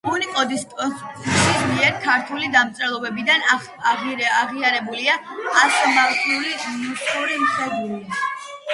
უნიკოდის კონსორციუმის მიერ ქართული დამწერლობებიდან აღიარებულია ასომთავრული, ნუსხური, მხედრული.